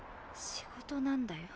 仕事なんだよ。